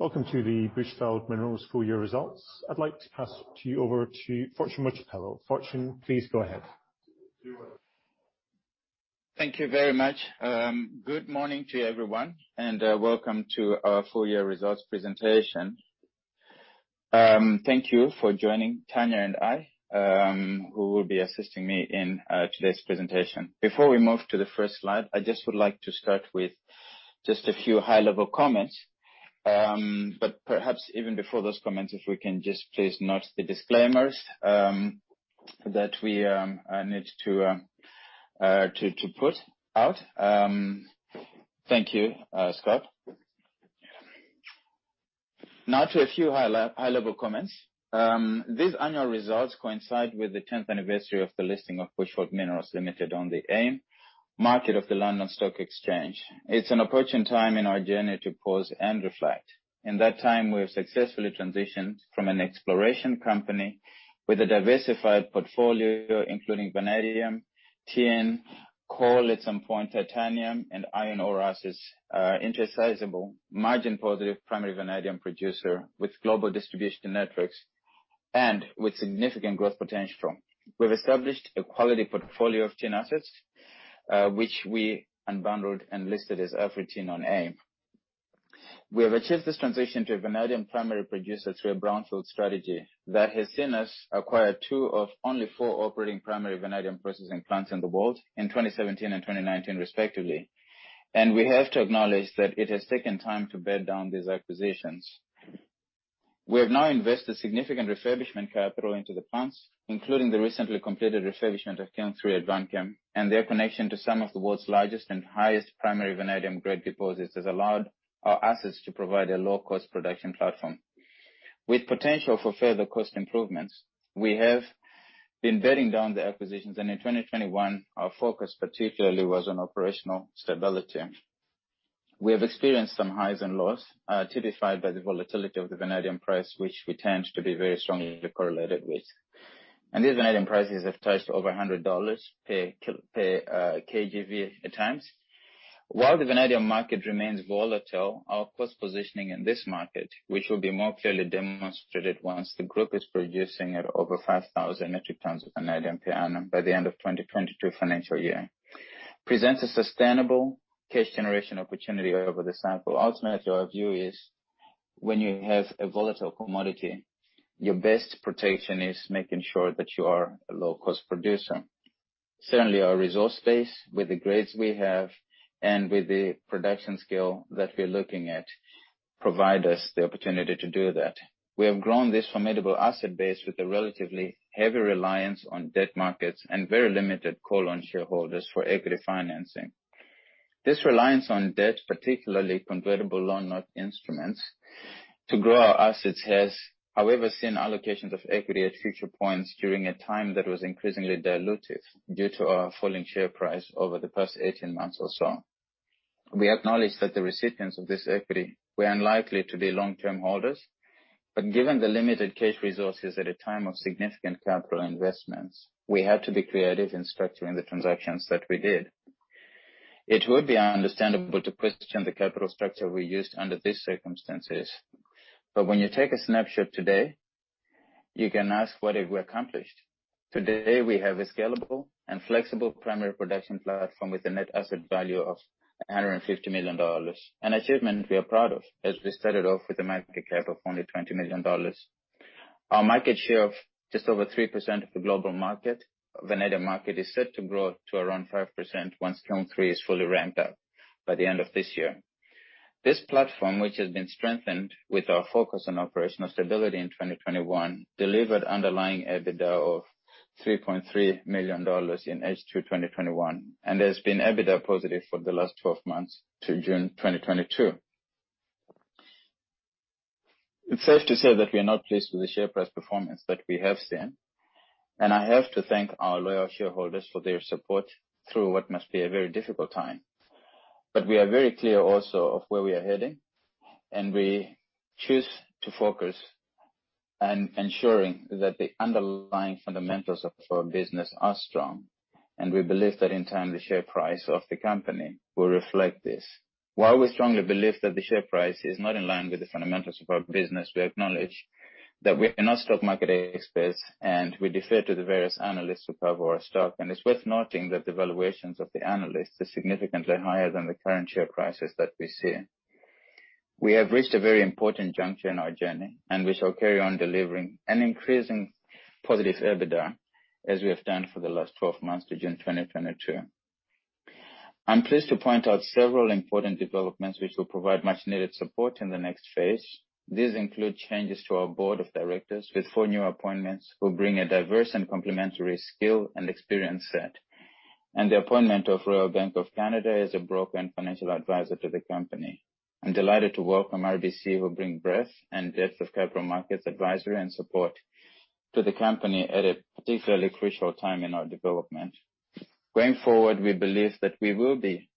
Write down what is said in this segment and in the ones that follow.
Welcome to the Bushveld Minerals full-year results. I'd like to pass to you over to Fortune Mojapelo. Fortune, please go ahead. Thank you very much. Good morning to everyone, and welcome to our full-year results presentation. Thank you for joining Tanya and I, who will be assisting me in today's presentation. Before we move to the first slide, I just would like to start with just a few high-level comments. Perhaps even before those comments, if we can just please note the disclaimers that we need to put out. Thank you, Scott. Now to a few high-level comments. These annual results coincide with the tenth anniversary of the listing of Bushveld Minerals Limited on the AIM market of the London Stock Exchange. It's an approaching time in our journey to pause and reflect. In that time, we have successfully transitioned from an exploration company with a diversified portfolio, including vanadium, tin, coal, at some point, titanium and iron ore assets, into a sizable margin positive primary vanadium producer with global distribution networks and with significant growth potential. We've established a quality portfolio of tin assets, which we unbundled and listed as AfriTin on AIM. We have achieved this transition to a vanadium primary producer through a brownfield strategy that has seen us acquire two of only four operating primary vanadium processing plants in the world in 2017 and 2019 respectively. We have to acknowledge that it has taken time to bed down these acquisitions. We have now invested significant refurbishment capital into the plants, including the recently completed refurbishment of Kiln 3 at Vanchem, and their connection to some of the world's largest and highest primary vanadium grade deposits has allowed our assets to provide a low-cost production platform. With potential for further cost improvements, we have been bedding down the acquisitions, and in 2021, our focus particularly was on operational stability. We have experienced some highs and lows, typified by the volatility of the vanadium price, which we tend to be very strongly correlated with. These vanadium prices have touched over $100 per kgV at times. While the vanadium market remains volatile, our cost positioning in this market, which will be more clearly demonstrated once the group is producing at over 5,000 mtVp.a. by the end of 2022 financial year, presents a sustainable cash generation opportunity over the sample. Ultimately, our view is when you have a volatile commodity, your best protection is making sure that you are a low cost producer. Certainly, our resource base, with the grades we have and with the production scale that we're looking at, provide us the opportunity to do that. We have grown this formidable asset base with a relatively heavy reliance on debt markets and very limited call on shareholders for equity financing. This reliance on debt, particularly convertible loan note instruments to grow our assets, has, however, seen allocations of equity at future points during a time that was increasingly dilutive due to our falling share price over the past 18 months or so. We acknowledge that the recipients of this equity were unlikely to be long-term holders, but given the limited cash resources at a time of significant capital investments, we had to be creative in structuring the transactions that we did. It would be understandable to question the capital structure we used under these circumstances, but when you take a snapshot today, you can ask what have we accomplished. Today, we have a scalable and flexible primary production platform with a net asset value of $150 million. An achievement we are proud of as we started off with a market cap of only $20 million. Our market share of just over 3% of the global market, vanadium market, is set to grow to around 5% once Kiln 3 is fully ramped up by the end of this year. This platform, which has been strengthened with our focus on operational stability in 2021, delivered underlying EBITDA of $3.3 million in H2 2021 and has been EBITDA positive for the last 12 months to June 2022. It's safe to say that we are not pleased with the share price performance that we have seen, and I have to thank our loyal shareholders for their support through what must be a very difficult time. We are very clear also of where we are heading, and we choose to focus on ensuring that the underlying fundamentals of our business are strong. We believe that in time, the share price of the company will reflect this. While we strongly believe that the share price is not in line with the fundamentals of our business, we acknowledge that we are not stock market experts, and we defer to the various analysts who cover our stock. It's worth noting that the valuations of the analysts is significantly higher than the current share prices that we see. We have reached a very important juncture in our journey, and we shall carry on delivering an increasing positive EBITDA as we have done for the last 12 months to June 2022. I'm pleased to point out several important developments which will provide much needed support in the next phase. These include changes to our board of directors with four new appointments who bring a diverse and complementary skill and experience set. The appointment of Royal Bank of Canada as a broker and financial advisor to the company. I'm delighted to welcome RBC, who bring breadth and depth of capital markets advisory and support to the company at a particularly crucial time in our development. Going forward, we believe that we will be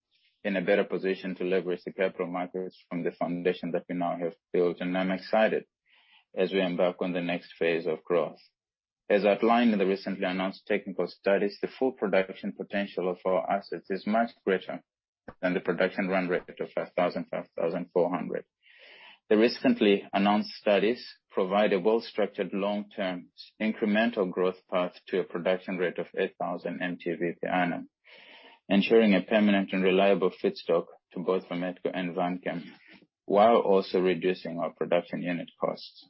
in a better position to leverage the capital markets from the foundation that we now have built. I'm excited as we embark on the next phase of growth. As outlined in the recently announced technical studies, the full production potential of our assets is much greater than the production run rate of 5,400. The recently announced studies provide a well-structured long-term incremental growth path to a production rate of 8,000 mtV per annum, ensuring a permanent and reliable feedstock to both Vametco and Vanchem, while also reducing our production unit costs.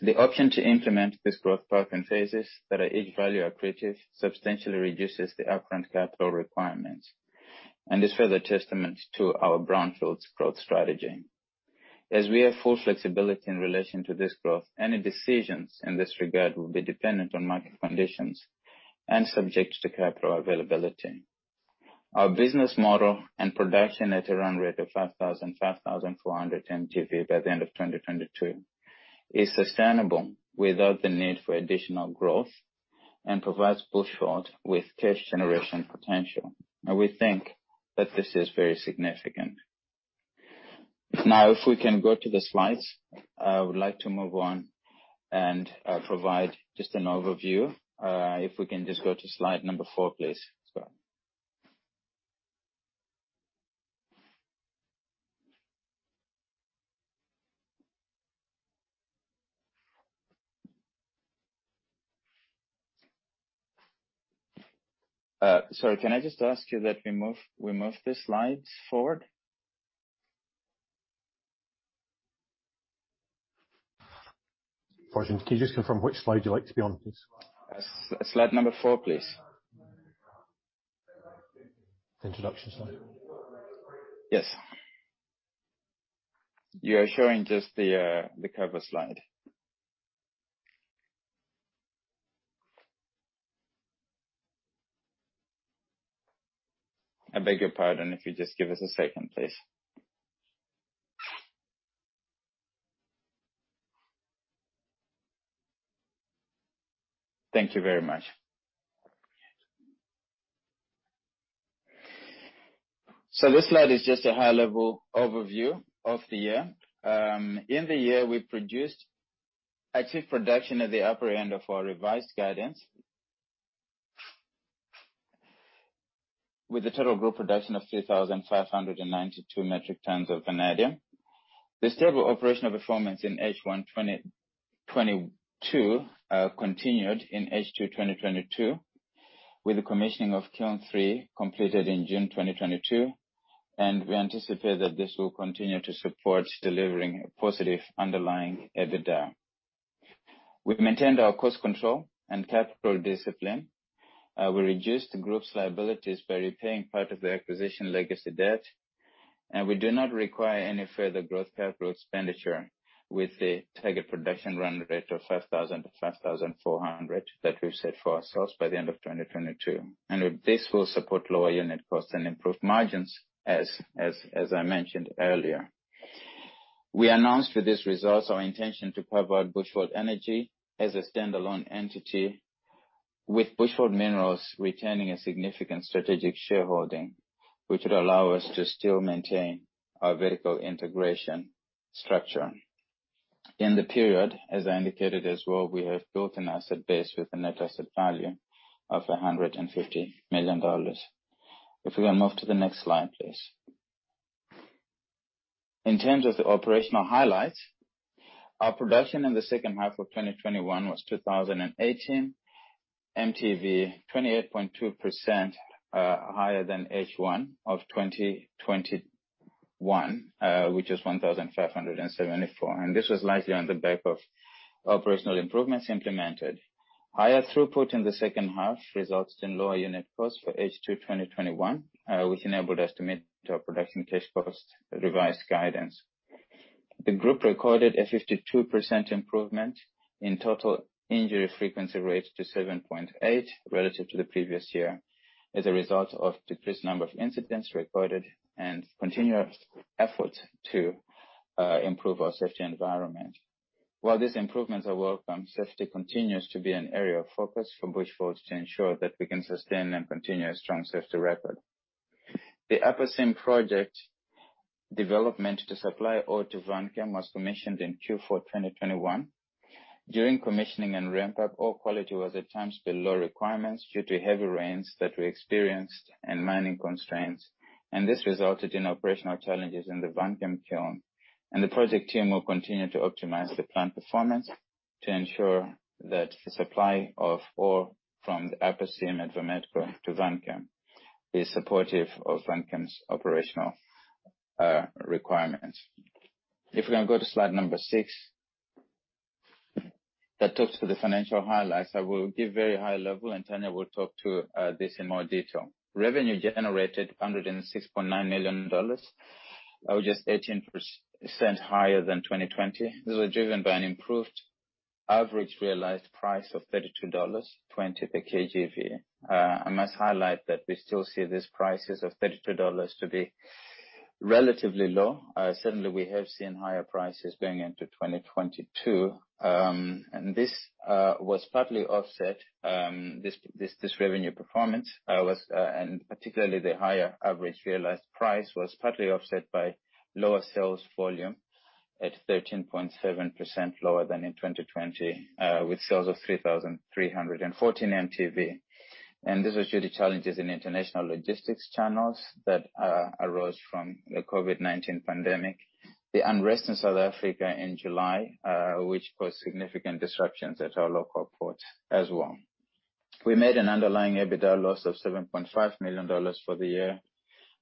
The option to implement this growth path in phases that are each value accretive substantially reduces the upfront capital requirements and is further testament to our brownfields growth strategy. As we have full flexibility in relation to this growth, any decisions in this regard will be dependent on market conditions and subject to capital availability. Our business model and production at a run rate of 5,000 to 5,400 mtV by the end of 2022 is sustainable without the need for additional growth and provides Bushveld with cash generation potential. We think that this is very significant. Now, if we can go to the slides, I would like to move on and provide just an overview. If we can just go to slide number 4, please. Sorry. Can I just ask you that we move the slides forward? Forgive me. Can you just confirm which slide you'd like to be on, please? Slide number 4, please. Introduction slide. Yes. You are showing just the cover slide. I beg your pardon. If you just give us a second, please. Thank you very much. This slide is just a high-level overview of the year. In the year, we achieved production at the upper end of our revised guidance. With a total group production of 3,592 metric tons of vanadium. The stable operational performance in H1 2022 continued in H2 2022, with the commissioning of Kiln 3 completed in June 2022, and we anticipate that this will continue to support delivering a positive underlying EBITDA. We've maintained our cost control and capital discipline. We reduced the group's liabilities by repaying part of the acquisition legacy debt, and we do not require any further growth capital expenditure with the target production run rate of 5,000 to 5,400 that we've set for ourselves by the end of 2022. This will support lower unit costs and improve margins, as I mentioned earlier. We announced with these results our intention to carve out Bushveld Energy as a standalone entity, with Bushveld Minerals retaining a significant strategic shareholding, which would allow us to still maintain our vertical integration structure. In the period, as I indicated as well, we have built an asset base with a net asset value of $150 million. If we can move to the next slide, please. In terms of the operational highlights, our production in the second half of 2021 was 2,018 mtV, 28.2% higher than H1 of 2021, which is 1,574. This was largely on the back of operational improvements implemented. Higher throughput in the second half resulted in lower unit costs for H2 2021, which enabled us to meet our production case post revised guidance. The group recorded a 52% improvement in total injury frequency rate to 7.8 relative to the previous year as a result of decreased number of incidents recorded and continuous effort to improve our safety environment. While these improvements are welcome, safety continues to be an area of focus for Bushveld to ensure that we can sustain and continue a strong safety record. The Upper Seam Project development to supply ore to Vanchem was commissioned in Q4 2021. During commissioning and ramp-up, ore quality was at times below requirements due to heavy rains that we experienced and mining constraints, and this resulted in operational challenges in the Vanchem Kiln. The project team will continue to optimize the plant performance to ensure that the supply of ore from the Upper Seam and Vametco to Vanchem is supportive of Vanchem's operational requirements. If we can go to Slide 6. That talks to the financial highlights. I will give very high level, and Tanya will talk to this in more detail. Revenue generated $106.9 million. Just 18% higher than 2020. This was driven by an improved average realized price of $32.20 per kgV. I must highlight that we still see these prices of $32 to be relatively low. Certainly, we have seen higher prices going into 2022. This was partly offset, this revenue performance, and particularly the higher average realized price was partly offset by lower sales volume at 13.7% lower than in 2020, with sales of 3,314 mtV. This was due to challenges in international logistics channels that arose from the COVID-19 pandemic. The unrest in South Africa in July, which caused significant disruptions at our local ports as well. We made an underlying EBITDA loss of $7.5 million for the year,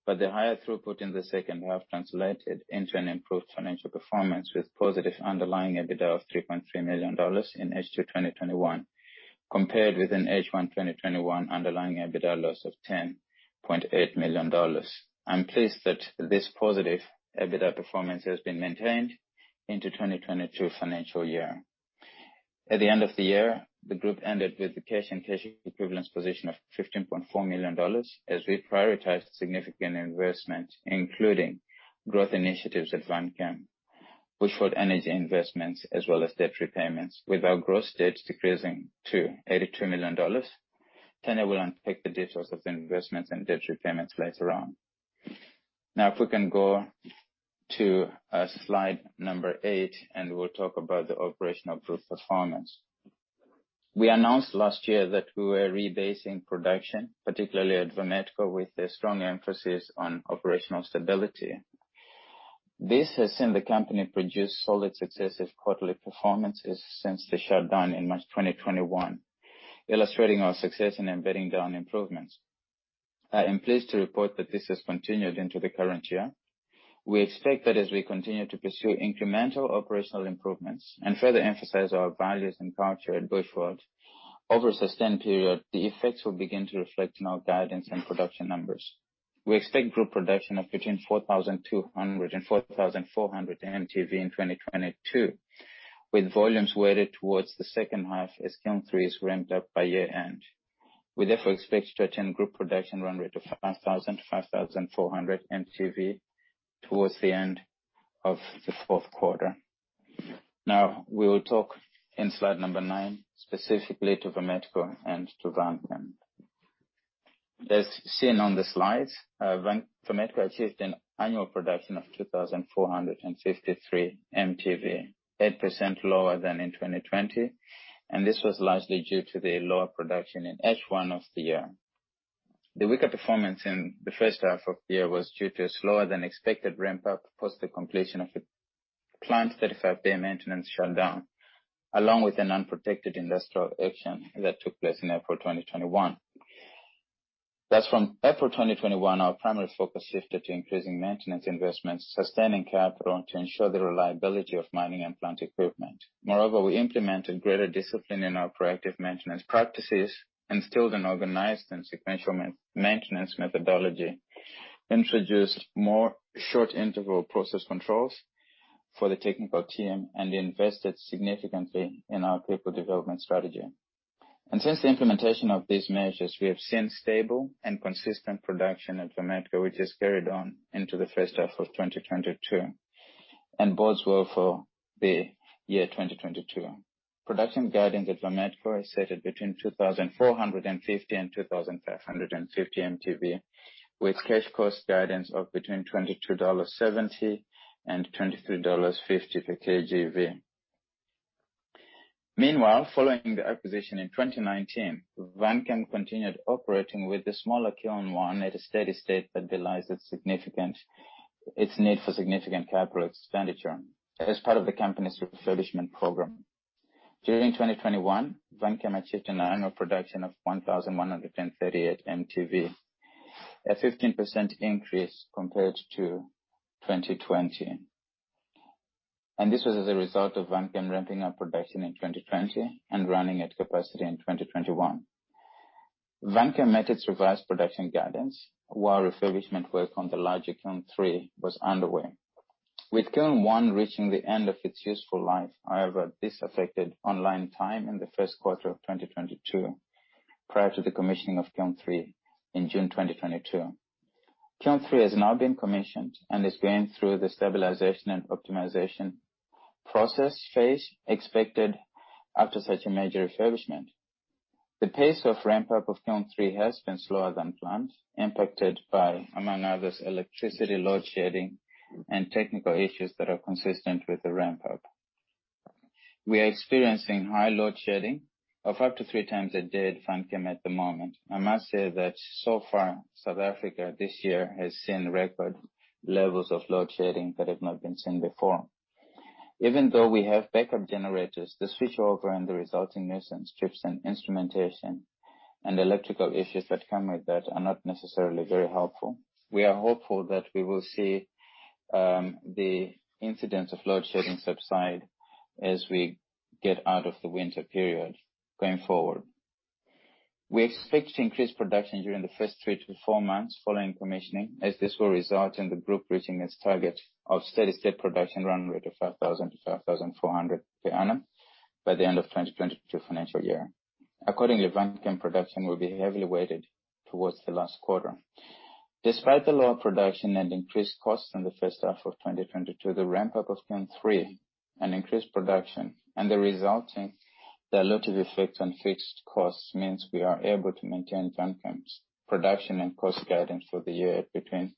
but the higher throughput in the second half translated into an improved financial performance with positive underlying EBITDA of $3.3 million in H2 2021, compared with an H1 2021 underlying EBITDA loss of $10.8 million. I'm pleased that this positive EBITDA performance has been maintained into 2022 financial year. At the end of the year, the group ended with the cash and cash equivalents position of $15.4 million, as we prioritized significant investment, including growth initiatives at Vanchem, Bushveld Energy investments, as well as debt repayments, with our gross debts decreasing to $82 million. Tanyaradzwa Chikanza will unpack the details of the investments and debt repayments later on. Now if we can go to slide number 8, and we'll talk about the operational group performance. We announced last year that we were rebasing production, particularly at Vametco, with a strong emphasis on operational stability. This has seen the company produce solid successive quarterly performances since the shutdown in March 2021, illustrating our success in bedding down improvements. I am pleased to report that this has continued into the current year. We expect that as we continue to pursue incremental operational improvements and further emphasize our values and culture at Bushveld, over a sustained period, the effects will begin to reflect in our guidance and production numbers. We expect group production of between 4,200 and 4,400 mtV in 2022, with volumes weighted towards the second half as Kiln 3s ramped up by year-end. We therefore expect to attain group production run rate of 5,000 to 5,400 mtV towards the end of the fourth quarter. Now, we will talk in slide number 9, specifically to Vametco and to Vanchem. As seen on the slides, Vametco achieved an annual production of 2,453 mtV, 8% lower than in 2020, and this was largely due to the lower production in H1 of the year. The weaker performance in the first half of the year was due to slower than expected ramp up post the completion of the plant 35-day maintenance shutdown, along with an unprotected industrial action that took place in April 2021. Thus from April 2021, our primary focus shifted to increasing maintenance investments, sustaining capital to ensure the reliability of mining and plant equipment. Moreover, we implemented greater discipline in our proactive maintenance practices, instilled an organized and sequential maintenance methodology, introduced more short interval process controls for the technical team, and invested significantly in our people development strategy. Since the implementation of these measures, we have seen stable and consistent production at Vametco, which has carried on into the first half of 2022 and bodes well for the year 2022. Production guidance at Vametco is set at between 2,450 and 2,550 mtV, with cash cost guidance of between $22.70 and $23.50 per kgV. Meanwhile, following the acquisition in 2019, Vanchem continued operating with the smaller Kiln 1 at a steady state that belies its significant need for significant capital expenditure as part of the company's refurbishment program. During 2021, Vanchem achieved an annual production of 1,138 mtV, a 15% increase compared to 2020. This was as a result of Vanchem ramping up production in 2020 and running at capacity in 2021. Vanchem met its revised production guidance while refurbishment work on the larger Kiln 3 was underway. With Kiln 1 reaching the end of its useful life, however, this affected online time in the first quarter of 2022 prior to the commissioning of Kiln 3 in June 2022. Kiln 3 has now been commissioned and is going through the stabilization and optimization process phase expected after such a major refurbishment. The pace of ramp up of Kiln 3 has been slower than planned, impacted by, among others, electricity load shedding and technical issues that are consistent with the ramp up. We are experiencing high load shedding of up to 3x a day at Vanchem at the moment. I must say that so far, South Africa this year has seen record levels of load shedding that have not been seen before. Even though we have backup generators, the switchover and the resulting nuisance trips and instrumentation and electrical issues that come with that are not necessarily very helpful. We are hopeful that we will see the incidence of load shedding subside as we get out of the winter period going forward. We expect to increase production during the first three to four months following commissioning, as this will result in the group reaching its target of steady-state production run rate of 5,000 to 5,400 per annum by the end of 2022 financial year. Accordingly, Vanchem production will be heavily weighted towards the last quarter. Despite the lower production and increased costs in the first half of 2022, the ramp up of Kiln 3 and increased production and the resulting dilutive effect on fixed costs means we are able to maintain Vanchem's production and cost guidance for the year between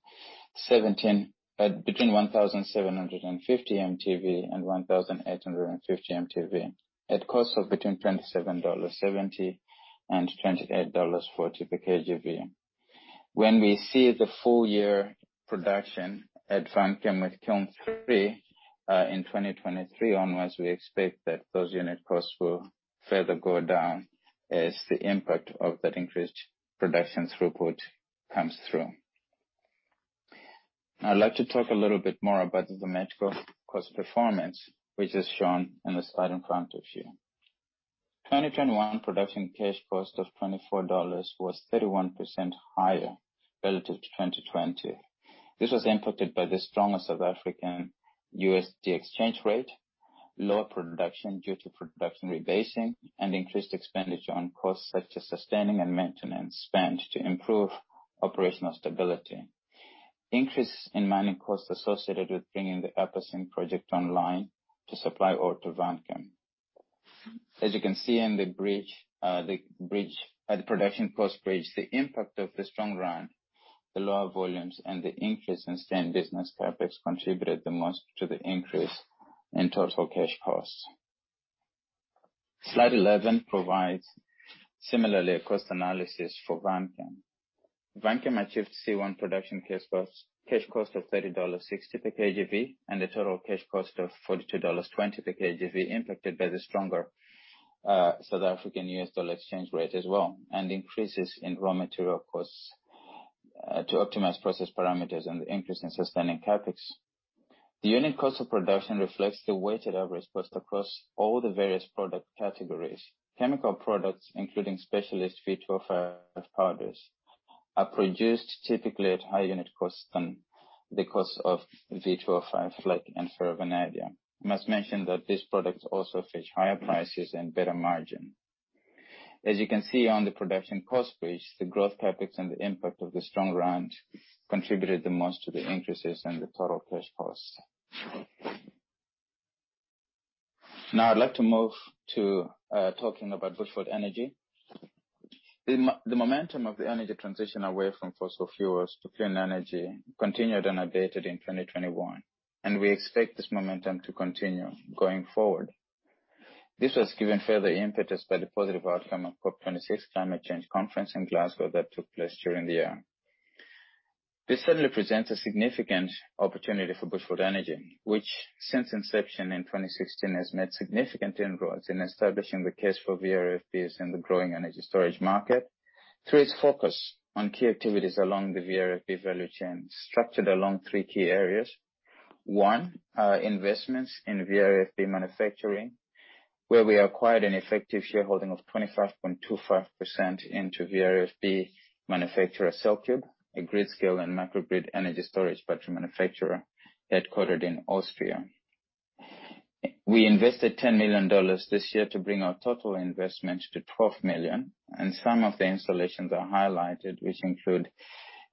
1,750 mtV and 1,850 mtV. At costs of between $27.70 and $28.40 per kgV. When we see the full-year production at Vanchem with Kiln 3 in 2023 onwards, we expect that those unit costs will further go down as the impact of that increased production throughput comes through. Now I'd like to talk a little bit more about the Vametco cost performance, which is shown in the slide in front of you. 2021 production cash cost of $24 was 31% higher relative to 2020. This was impacted by the stronger South African rand-USD exchange rate, lower production due to production rebasing and increased expenditure on costs such as sustaining and maintenance spend to improve operational stability. Increase in mining costs associated with bringing the Upper Seam Project online to supply ore to Vanchem. As you can see in the production cost bridge, the impact of the strong rand, the lower volumes and the increase in same business CapEx contributed the most to the increase in total cash costs. Slide 11 provides similarly a cost analysis for Vanchem. Vanchem achieved C1 production cash cost, cash cost of $30.60 per kgV and a total cash cost of $42.20 per kgV, impacted by the stronger South African US dollar exchange rate as well, and increases in raw material costs to optimize process parameters and the increase in sustaining CapEx. The unit cost of production reflects the weighted average cost across all the various product categories. Chemical products, including specialist V2O5 powders, are produced typically at higher unit cost than the cost of V2O5 flake and ferrovanadium. I must mention that these products also fetch higher prices and better margin. As you can see on the production cost bridge, the growth CapEx and the impact of the strong rand contributed the most to the increases in the total cash costs. Now I'd like to move to talking about Bushveld Energy. The momentum of the energy transition away from fossil fuels to clean energy continued unabated in 2021, and we expect this momentum to continue going forward. This was given further impetus by the positive outcome of COP26 Climate Change Conference in Glasgow that took place during the year. This certainly presents a significant opportunity for Bushveld Energy, which since inception in 2016 has made significant inroads in establishing the case for VRFBs in the growing energy storage market through its focus on key activities along the VRFB value chain, structured along three key areas. One, investments in VRFB manufacturing, where we acquired an effective shareholding of 25.25% into VRFB manufacturer CellCube, a grid-scale and microgrid energy storage battery manufacturer headquartered in Austria. We invested $10 million this year to bring our total investment to $12 million, and some of the installations are highlighted, which include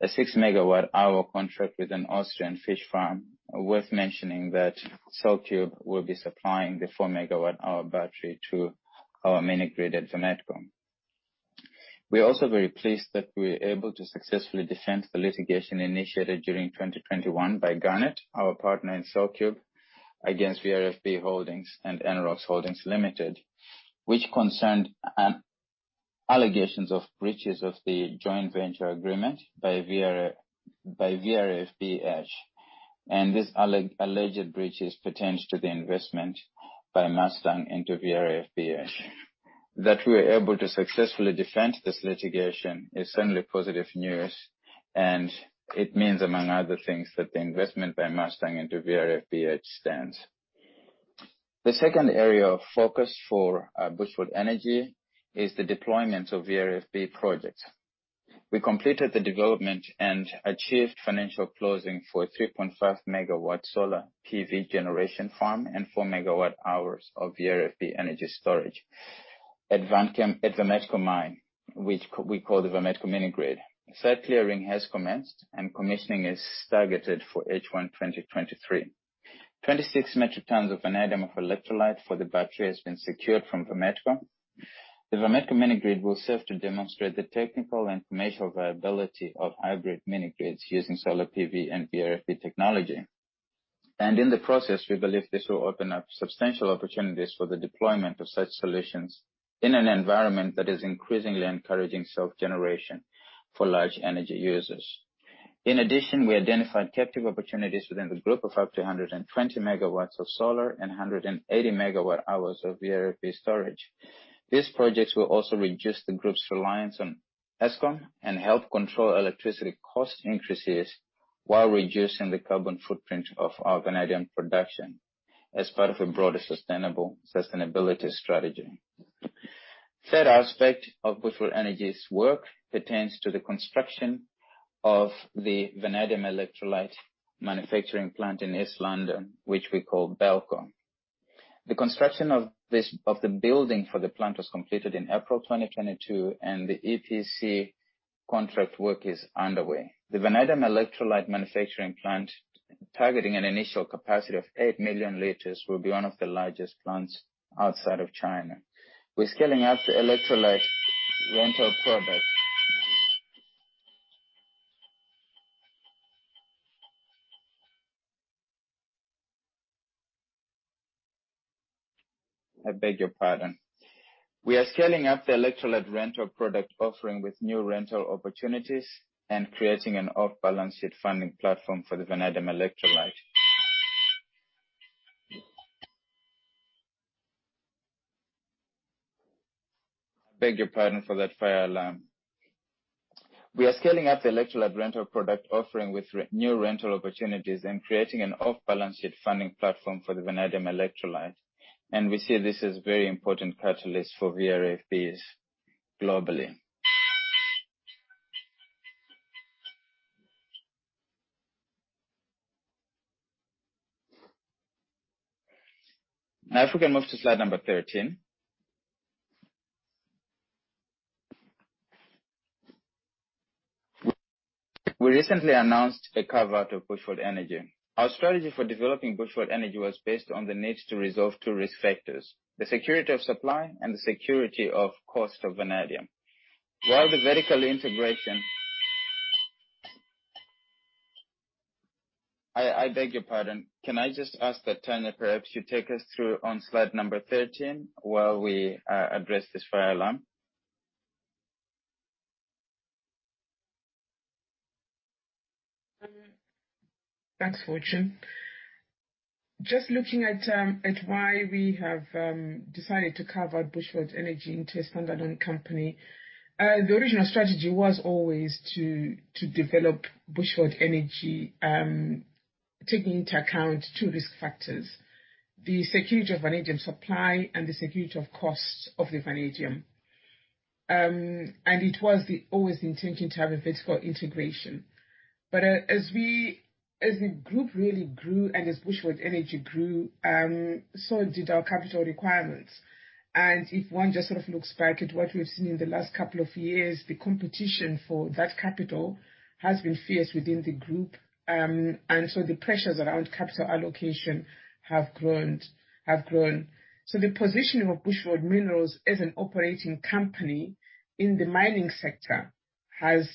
a 6 MWh contract with an Austrian fish farm. Worth mentioning that CellCube will be supplying the 4 MWh battery to our mini-grid at Vametco. We are also very pleased that we are able to successfully defend the litigation initiated during 2021 by Garnet, our partner in CellCube, against VRFB Holdings and Enerox Holdings Limited, which concerned allegations of breaches of the joint venture agreement by VRFB-H. These alleged breaches pertains to the investment by Mustang into VRFB-H. That we are able to successfully defend this litigation is certainly positive news, and it means, among other things, that the investment by Mustang into VRFB-H stands. The second area of focus for Bushveld Energy is the deployment of VRFB projects. We completed the development and achieved financial closing for a 3.5 MW solar PV generation farm and 4 MWh of VRFB energy storage at Vanchem, at Vametco Mine, which we call the Vametco Mini-Grid. Site clearing has commenced and commissioning is targeted for H1 2023. 26 metric tons of vanadium electrolyte for the battery has been secured from Vametco. The Vametco Mini-Grid will serve to demonstrate the technical and commercial viability of hybrid mini-grids using solar PV and VRFB technology. In the process, we believe this will open up substantial opportunities for the deployment of such solutions in an environment that is increasingly encouraging self-generation for large energy users. In addition, we identified captive opportunities within the group of up to 120 MW of solar and 180 MWh of VRFB storage. These projects will also reduce the group's reliance on Eskom and help control electricity cost increases while reducing the carbon footprint of our vanadium production as part of a broader sustainability strategy. Third aspect of Bushveld Energy's work pertains to the construction of the vanadium electrolyte manufacturing plant in East London, which we call BELCO. The construction of the building for the plant was completed in April 2022, and the EPC contract work is underway. The vanadium electrolyte manufacturing plant, targeting an initial capacity of 8 million L, will be one of the largest plants outside of China. We're scaling up the electrolyte rental product. I beg your pardon. We are scaling up the electrolyte rental product offering with new rental opportunities and creating an off-balance-sheet funding platform for the vanadium electrolyte. I beg your pardon for that fire alarm. We are scaling up the electrolyte rental product offering with renew rental opportunities and creating an off-balance sheet funding platform for the vanadium electrolyte. We see this as a very important catalyst for VRFBs globally. Now, if we can move to slide number 13. We recently announced a carve-out of Bushveld Energy. Our strategy for developing Bushveld Energy was based on the need to resolve two risk factors, the security of supply and the security of cost of vanadium. I beg your pardon. Can I just ask that, Tanya, perhaps you take us through on slide number 13 while we address this fire alarm. Thanks, Fortune. Just looking at why we have decided to carve out Bushveld Energy into a standalone company. The original strategy was always to develop Bushveld Energy, taking into account two risk factors, the security of vanadium supply and the security of cost of the vanadium. It was always the intention to have a vertical integration. As the group really grew and as Bushveld Energy grew, so did our capital requirements. If one just sort of looks back at what we've seen in the last couple of years, the competition for that capital has been fierce within the group. The pressures around capital allocation have grown. The positioning of Bushveld Minerals as an operating company in the mining sector has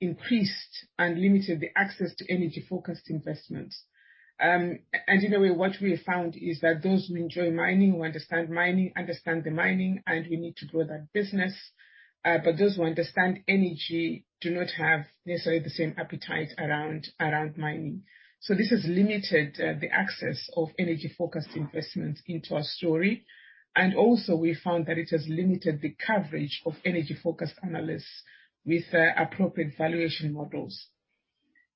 increased and limited the access to energy-focused investments. In a way, what we have found is that those who enjoy mining, who understand mining, and we need to grow that business. Those who understand energy do not have necessarily the same appetite around mining. This has limited the access of energy-focused investments into our story. Also we found that it has limited the coverage of energy-focused analysts with appropriate valuation models.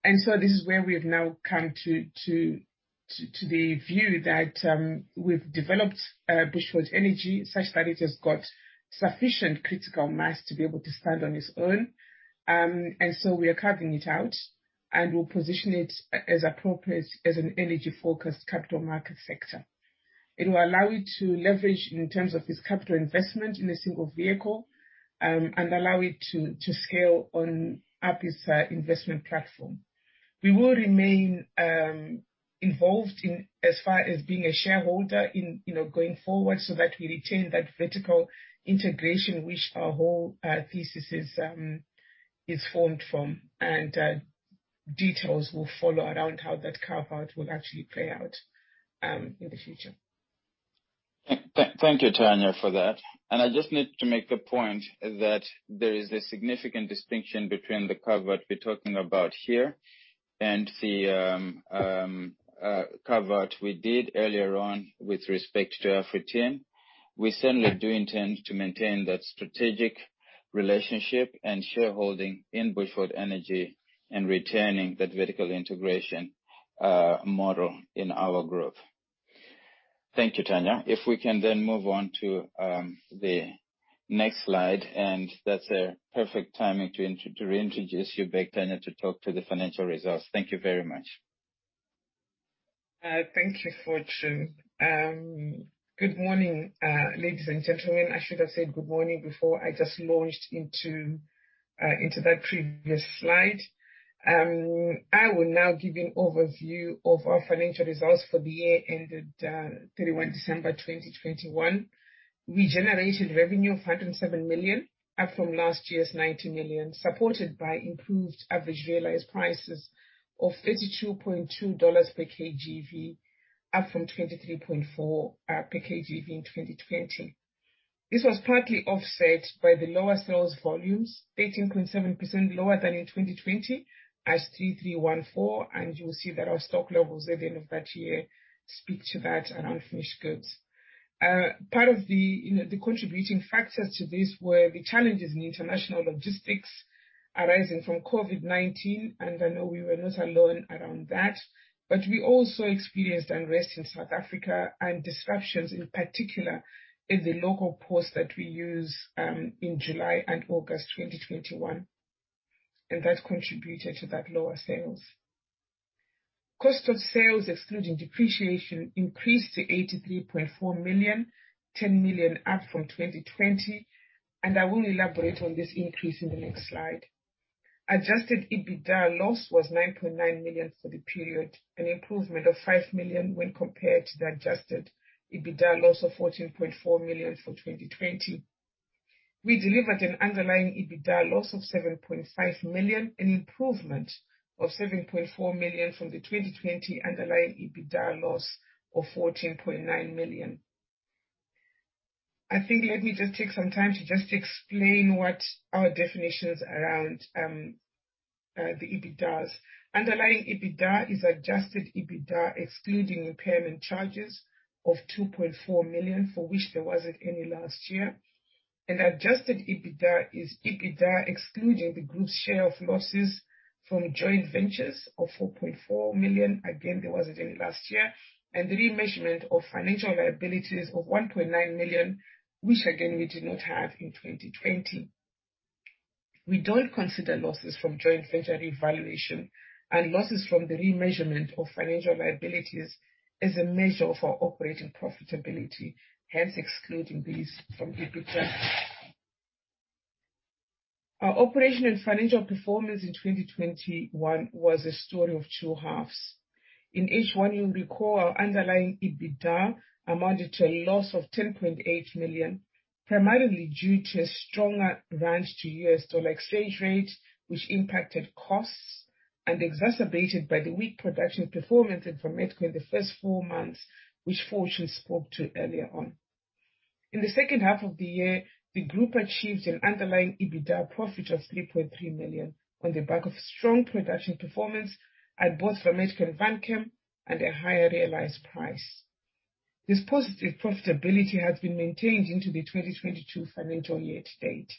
This is where we have now come to the view that we've developed Bushveld Energy such that it has got sufficient critical mass to be able to stand on its own. We are carving it out, and we'll position it as appropriate as an energy-focused capital market sector. It will allow it to leverage in terms of its capital investment in a single vehicle, and allow it to scale on up its investment platform. We will remain involved in as far as being a shareholder in, you know, going forward, so that we retain that vertical integration which our whole thesis is formed from. Details will follow around how that carve-out will actually play out in the future. Thank you, Tanya, for that. I just need to make the point that there is a significant distinction between the carve out we're talking about here and the carve out we did earlier on with respect to AfriTin. We certainly do intend to maintain that strategic relationship and shareholding in Bushveld Energy and retaining that vertical integration model in our growth. Thank you, Tanya. If we can then move on to the next slide, and that's a perfect timing to reintroduce you back, Tanya, to talk to the financial results. Thank you very much. Thank you, Fortune. Good morning, ladies and gentlemen. I should have said good morning before. I just launched into that previous slide. I will now give you an overview of our financial results for the year ended 31 December 2021. We generated revenue of $107 million, up from last year's $90 million, supported by improved average realized prices of $32.2 per kgV, up from $23.4 per kgV in 2020. This was partly offset by the lower sales volumes, 13.7% lower than in 2020, as 3,314. You will see that our stock levels at the end of that year speak to that and unfinished goods. Part of the, you know, the contributing factors to this were the challenges in international logistics arising from COVID-19, and I know we were not alone around that. We also experienced unrest in South Africa and disruptions, in particular in the local ports that we use, in July and August 2021, and that contributed to that lower sales. Cost of sales excluding depreciation increased to $83.4 million, $10 million up from 2020, and I will elaborate on this increase in the next slide. Adjusted EBITDA loss was $9.9 million for the period, an improvement of $5 million when compared to the Adjusted EBITDA loss of $14.4 million for 2020. We delivered an underlying EBITDA loss of $7.5 million, an improvement of $7.4 million from the 2020 underlying EBITDA loss of $14.9 million. I think let me just take some time to just explain what our definitions around, the EBITDA is. Underlying EBITDA is Adjusted EBITDA excluding impairment charges of $2.4 million, for which there wasn't any last year. An Adjusted EBITDA is EBITDA excluding the group's share of losses from joint ventures of $4.4 million. Again, there wasn't any last year. The remeasurement of financial liabilities of $1.9 million, which again, we did not have in 2020. We don't consider losses from joint venture revaluation and losses from the remeasurement of financial liabilities as a measure of our operating profitability, hence excluding these from EBITDA. Our operation and financial performance in 2021 was a story of two halves. In H1, you'll recall our underlying EBITDA amounted to a loss of $10.8 million, primarily due to a stronger rand to US dollar exchange rate, which impacted costs, exacerbated by the weak production performance in Vametco in the first four months, which Fortune spoke to earlier on. In the second half of the year, the group achieved an underlying EBITDA profit of $3.3 million on the back of strong production performance at both Vametco and Vanchem and a higher realized price. This positive profitability has been maintained into the 2022 financial year to date.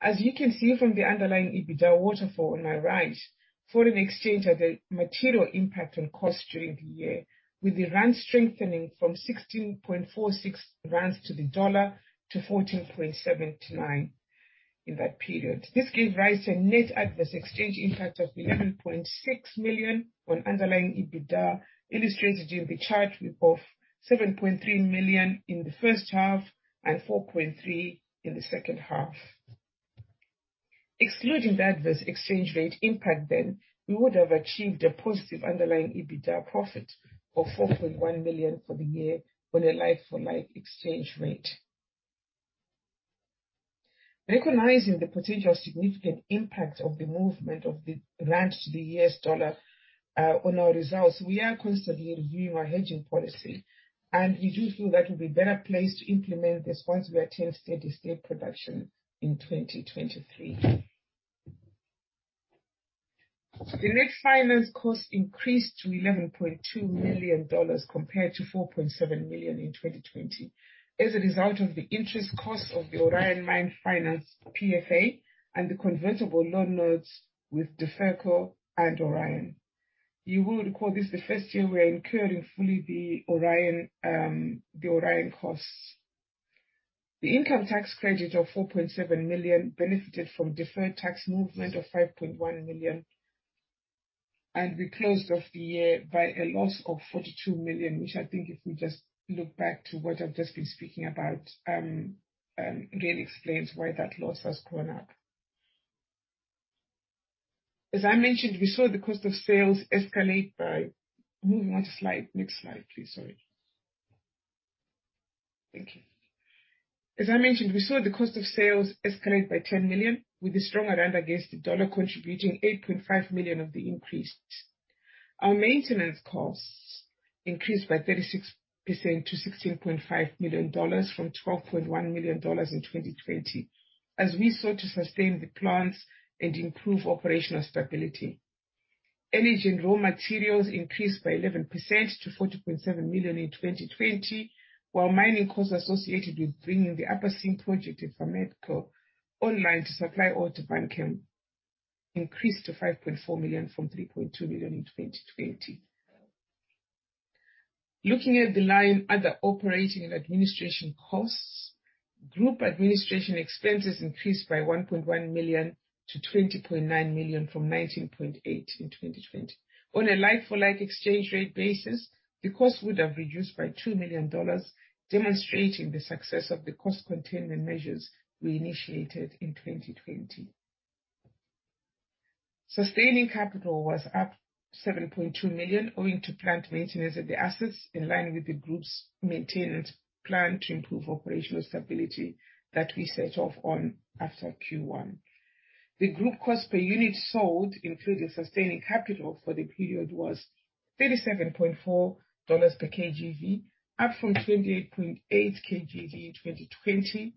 As you can see from the underlying EBITDA waterfall on our right, foreign exchange had a material impact on cost during the year, with the rand strengthening from 16.46 rands to the dollar to 14.79 in that period. This gave rise to a net adverse exchange impact of $11.6 million on underlying EBITDA, illustrated in the chart with both $7.3 million in the first half and $4.3 million in the second half. Excluding the adverse exchange rate impact then, we would have achieved a positive underlying EBITDA profit of $4.1 million for the year on a like-for-like exchange rate. Recognizing the potential significant impact of the movement of the rand to the US dollar, on our results, we are constantly reviewing our hedging policy, and we do feel that will be better placed to implement this once we attain steady state production in 2023. The net finance cost increased to $11.2 million compared to $4.7 million in 2020 as a result of the interest cost of the Orion Mine Finance PFA and the convertible loan notes with Duferco and Orion. You will recall this is the first year we are incurring fully the Orion costs. The income tax credit of $4.7 million benefited from deferred tax movement of $5.1 million. We closed off the year by a loss of $42 million, which I think if we just look back to what I've just been speaking about, again explains why that loss has gone up. As I mentioned, we saw the cost of sales escalate by. Move one slide. Next slide, please. Sorry. Thank you. As I mentioned, we saw the cost of sales escalate by $10 million, with the stronger rand against the dollar contributing $8.5 million of the increase. Our maintenance costs increased by 36% to $16.5 million from $12.1 million in 2020, as we sought to sustain the plants and improve operational stability. Energy and raw materials increased by 11% to $40.7 million in 2020, while mining costs associated with bringing the Upper Seam Project in Vametco online to supply ore to Vanchem increased to $5.4 million from $3.2 million in 2020. Looking at the line, other operating and administration costs, group administration expenses increased by $1.1 million to $20.9 million from $19.8 million in 2020. On a like-for-like exchange rate basis, the cost would have reduced by $2 million, demonstrating the success of the cost containment measures we initiated in 2020. Sustaining capital was up $7.2 million, owing to plant maintenance of the assets in line with the group's maintenance plan to improve operational stability that we set off on after Q1. The group cost per unit sold, including sustaining capital for the period, was $37.4 per kgV, up from $28.8 per kgV in 2020.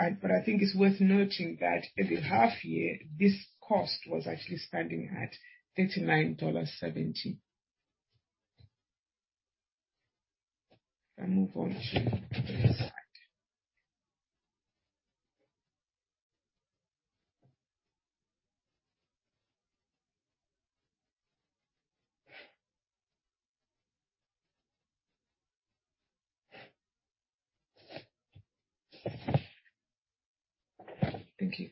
I think it's worth noting that at the half year, this cost was actually standing at $39.70. If I move on to the next slide. Thank you.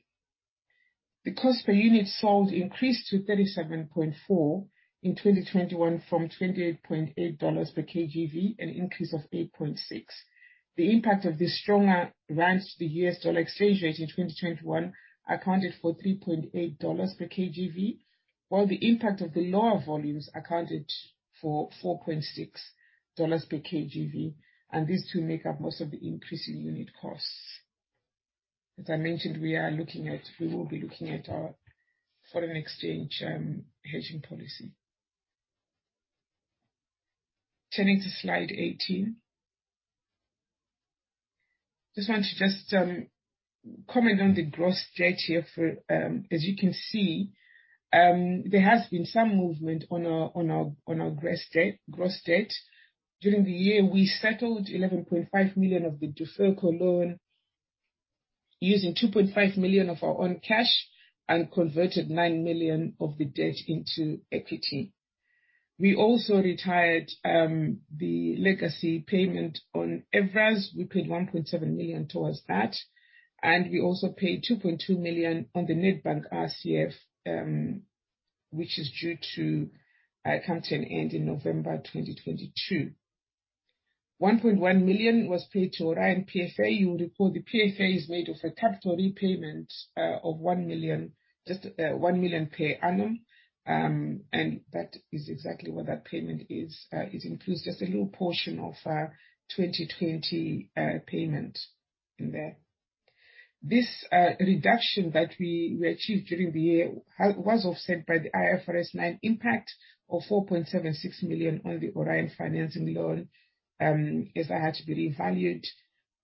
The cost per unit sold increased to $37.4 in 2021 from $28.8 per kgV, an increase of $8.6. The impact of this stronger rand to the U.S. dollar exchange rate in 2021 accounted for $3.8 per kgV, while the impact of the lower volumes accounted for $4.6 per kgV. These two make up most of the increase in unit costs. As I mentioned, we will be looking at our foreign exchange hedging policy. Turning to Slide 18. Just want to comment on the gross debt here for, as you can see, there has been some movement on our gross debt. During the year, we settled $11.5 million of the Duferco loan using $2.5 million of our own cash and converted $9 million of the debt into equity. We also retired the legacy payment on Evraz. We paid $1.7 million towards that, and we also paid $2.2 million on the Nedbank RCF, which is due to come to an end in November 2022. $1.1 million was paid to Orion PFA. You'll recall the PFA is made of a capital repayment of $1 million, just $1 million per annum. That is exactly what that payment is. It includes just a little portion of our 2020 payment in there. This reduction that we achieved during the year was offset by the IFRS nine impact of $4.76 million on the Orion financing loan, as it had to be revalued.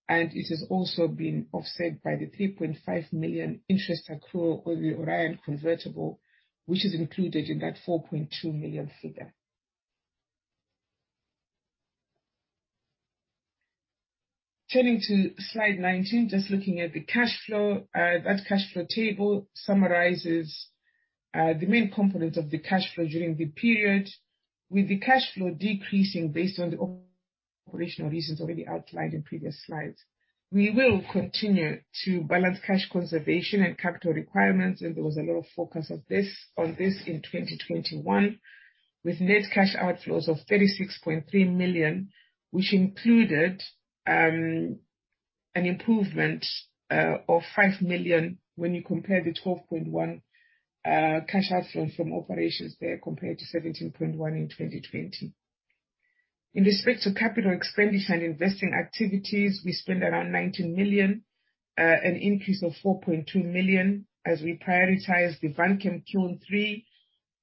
It has also been offset by the $3.5 million interest accrual on the Orion convertible, which is included in that $4.2 million figure. Turning to Slide 19, just looking at the cash flow. That cash flow table summarizes the main components of the cash flow during the period, with the cash flow decreasing based on the operational reasons already outlined in previous slides. We will continue to balance cash conservation and capital requirements, and there was a lot of focus on this in 2021, with net cash outflows of $36.3 million, which included an improvement of $5 million when you compare the $12.1 cash outflow from operations there compared to $17.1 in 2020. In respect to capital expenditure and investing activities, we spent around $19 million, an increase of $4.2 million as we prioritized the Vanchem Kiln 3,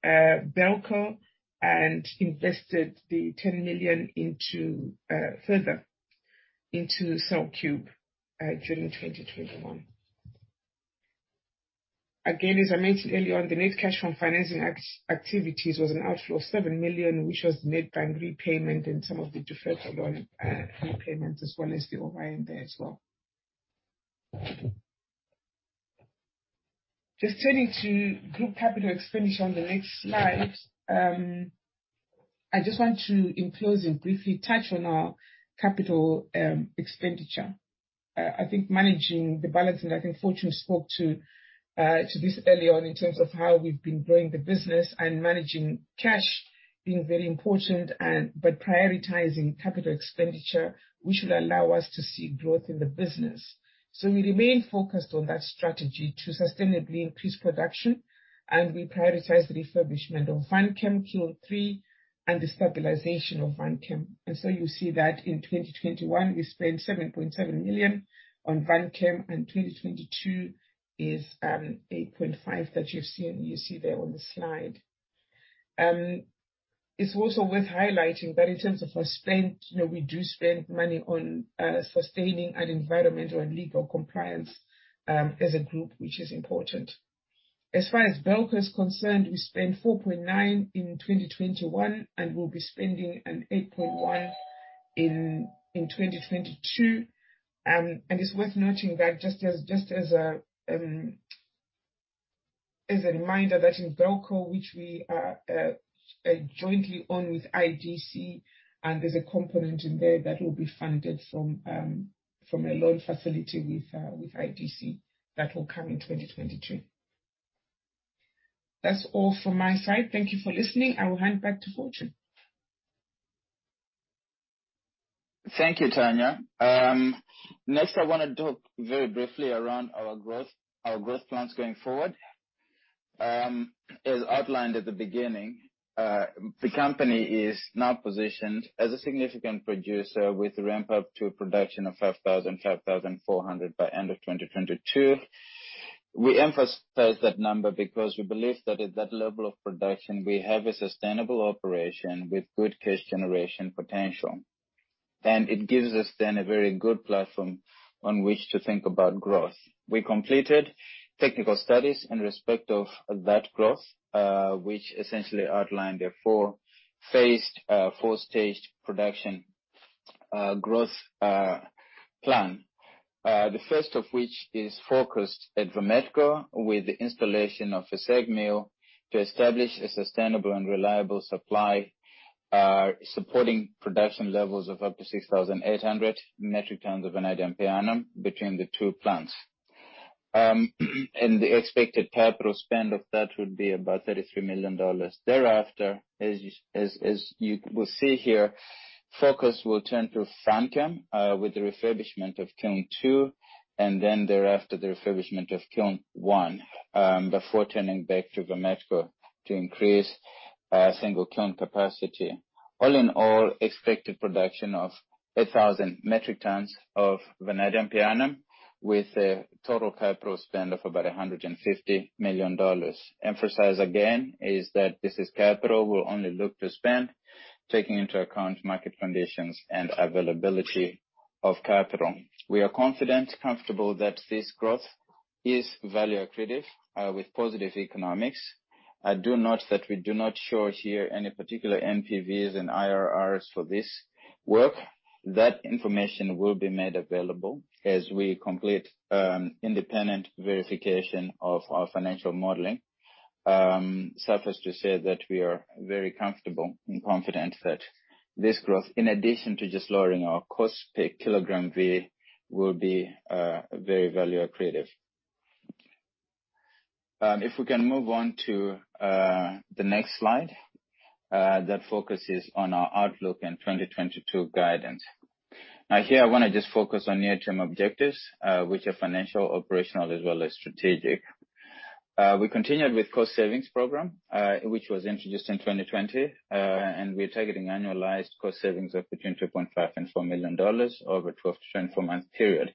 BELCO and invested the $10 million into further into CellCube during 2021. Again, as I mentioned earlier on, the net cash from financing activities was an outflow of $7 million, which was Nedbank repayment and some of the Duferco loan repayment, as well as the Orion debt as well. Just turning to group capital expenditure on the next slide. I just want to, in closing, briefly touch on our capital expenditure. I think managing the balance, and I think Fortune spoke to this early on in terms of how we've been growing the business and managing cash being very important but prioritizing capital expenditure, which will allow us to see growth in the business. We remain focused on that strategy to sustainably increase production, and we prioritize the refurbishment of Vanchem Kiln 3 and the stabilization of Vanchem. You see that in 2021 we spent $7.7 million on Vanchem, and 2022 is $8.5 million that you've seen. You see there on the slide. It's also worth highlighting that in terms of our spend, you know, we do spend money on sustaining and environmental and legal compliance as a group, which is important. As far as BELCO is concerned, we spent $4.9 in 2021, and we'll be spending an $8.1 in 2022. It's worth noting, just as a reminder, that in BELCO, which we jointly own with IDC, and there's a component in there that will be funded from a loan facility with IDC that will come in 2022. That's all from my side. Thank you for listening. I will hand back to Fortune. Thank you, Tanya. Next I wanna talk very briefly around our growth, our growth plans going forward. As outlined at the beginning, the company is now positioned as a significant producer with ramp up to a production of 5,400 by end of 2022. We emphasize that number because we believe that at that level of production, we have a sustainable operation with good cash generation potential. It gives us then a very good platform on which to think about growth. We completed technical studies in respect of that growth, which essentially outlined a four-phased, four-staged production growth plan. The first of which is focused at Vametco with the installation of a SAG mill to establish a sustainable and reliable supply, supporting production levels of up to 6,800 mtVp.a. between the two plants. The expected capital spend of that would be about $33 million. Thereafter, as you will see here, focus will turn to Vanchem, with the refurbishment of Kiln 2 and then thereafter the refurbishment of Kiln 1, before turning back to Vametco to increase single kiln capacity. All in all, expected production of 8,000 metric tons of vanadium pentoxide with a total capital spend of about $150 million. Emphasize again is that this is capital we'll only look to spend taking into account market conditions and availability of capital. We are confident, comfortable that this growth is value accretive, with positive economics. I do note that we do not show here any particular NPVs and IRRs for this work. That information will be made available as we complete, independent verification of our financial modeling. Suffice to say that we are very comfortable and confident that this growth, in addition to just lowering our cost per kgV, will be, very value accretive. If we can move on to, the next slide, that focuses on our outlook and 2022 guidance. Now here I wanna just focus on near-term objectives, which are financial, operational, as well as strategic. We continued with cost savings program, which was introduced in 2020, and we're targeting annualized cost savings of between $2.5 million and $4 million over 12- to 24-month period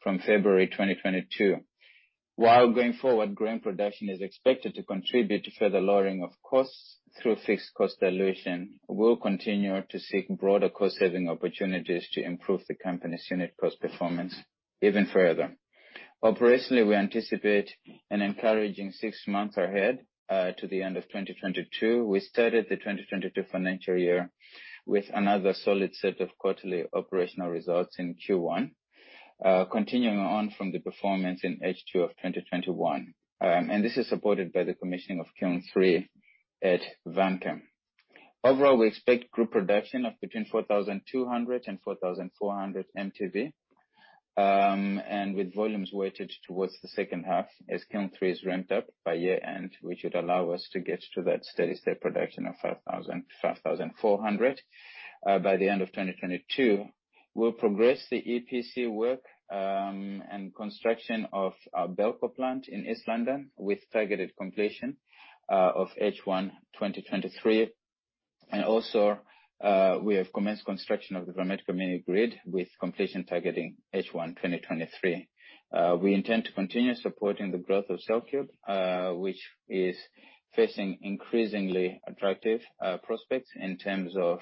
from February 2022. While going forward, growing production is expected to contribute to further lowering of costs through fixed cost dilution. We'll continue to seek broader cost-saving opportunities to improve the company's unit cost performance even further. Operationally, we anticipate an encouraging six months ahead, to the end of 2022. We started the 2022 financial year with another solid set of quarterly operational results in Q1, continuing on from the performance in H2 of 2021. And this is supported by the commissioning of Kiln 3 at Vanchem. Overall, we expect group production of between 4,200 and 4,400 mtV, and with volumes weighted towards the second half as Kiln 3 is ramped up by year-end, which would allow us to get to that steady state production of 5,400 by the end of 2022. We'll progress the EPC work and construction of our BELCO plant in East London with targeted completion of H1 2023. We have commenced construction of the Vametco mini grid with completion targeting H1 2023. We intend to continue supporting the growth of CellCube, which is facing increasingly attractive prospects in terms of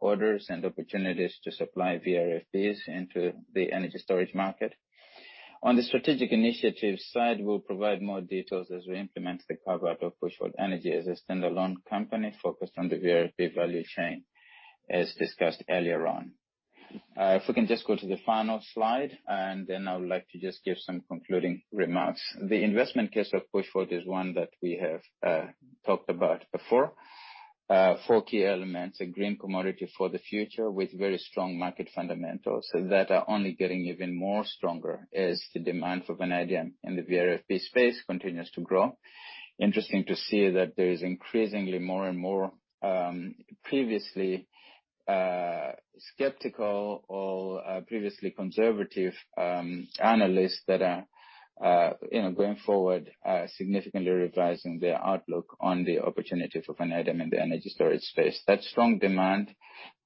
orders and opportunities to supply VRFBs into the energy storage market. On the strategic initiatives side, we'll provide more details as we implement the carve-out of Bushveld Energy as a standalone company focused on the VRFB value chain, as discussed earlier on. If we can just go to the final slide, and then I would like to just give some concluding remarks. The investment case of Bushveld is one that we have talked about before. Four key elements, a green commodity for the future with very strong market fundamentals that are only getting even more stronger as the demand for vanadium in the VRFB space continues to grow. Interesting to see that there is increasingly more and more, previously skeptical or previously conservative analysts that are, you know, going forward, are significantly revising their outlook on the opportunity for vanadium in the energy storage space. That strong demand,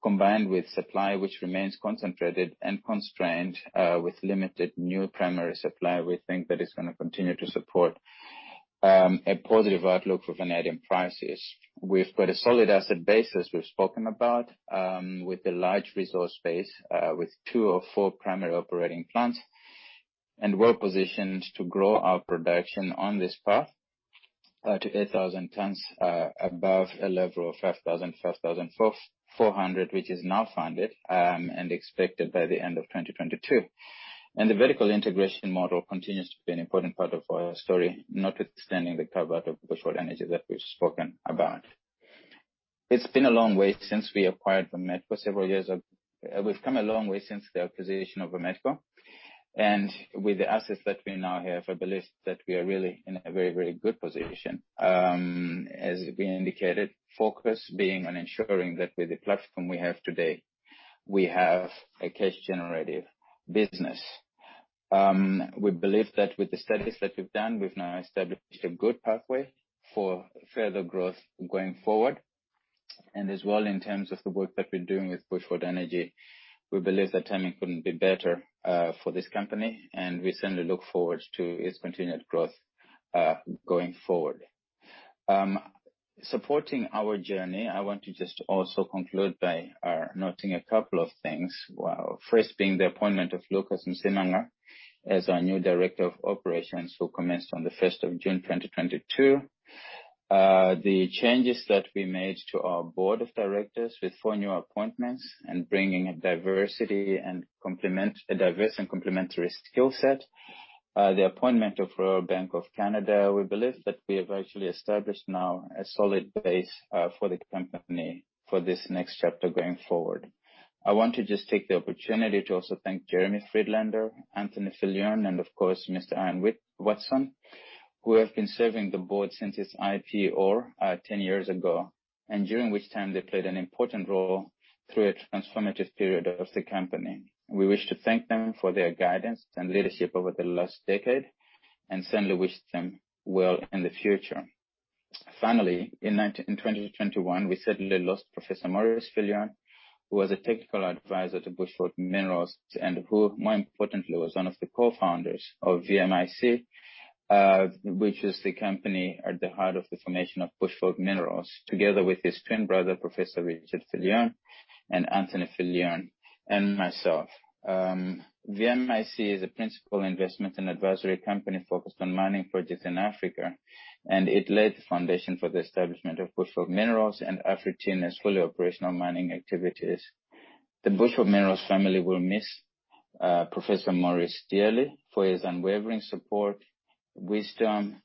combined with supply which remains concentrated and constrained, with limited new primary supply, we think that it's gonna continue to support a positive outlook for vanadium prices. We've got a solid asset base, as we've spoken about, with a large resource base, with two of four primary operating plants, and we're positioned to grow our production on this path to 8,000 tons above a level of 5,400, which is now funded and expected by the end of 2022. The vertical integration model continues to be an important part of our story, notwithstanding the carve-out of Bushveld Energy that we've spoken about. It's been a long way since we acquired Vametco several years ago. We've come a long way since the acquisition of Vametco, and with the assets that we now have, I believe that we are really in a very, very good position. As we indicated, focus being on ensuring that with the platform we have today, we have a cash generative business. We believe that with the studies that we've done, we've now established a good pathway for further growth going forward. As well, in terms of the work that we're doing with Bushveld Energy, we believe the timing couldn't be better for this company, and we certainly look forward to its continued growth going forward. Supporting our journey, I want to just also conclude by noting a couple of things. Well, first being the appointment of Lucas Msimanga as our new Director of Operations, who commenced on the first of June 2022. The changes that we made to our board of directors with four new appointments and bringing a diverse and complementary skill set. The appointment of Royal Bank of Canada, we believe that we have actually established now a solid base, for the company for this next chapter going forward. I want to just take the opportunity to also thank Jeremy Friedlander, Anthony Viljoen, and of course, Mr. Ian Watson, who have been serving the board since its IPO, 10 years ago, and during which time they played an important role through a transformative period of the company. We wish to thank them for their guidance and leadership over the last decade, and certainly wish them well in the future. Finally, in 2021, we certainly lost Professor Morris Glyn, who was a technical advisor to Bushveld Minerals and who, more importantly, was one of the cofounders of VMIC, which is the company at the heart of the formation of Bushveld Minerals, together with his twin brother, Professor Richard Viljoen and Anthony Viljoen and myself. VMIC is a principal investment and advisory company focused on mining projects in Africa, and it laid the foundation for the establishment of Bushveld Minerals in Africa as fully operational mining activities. The Bushveld Minerals family will miss Professor Maurice dearly for his unwavering support, wisdom,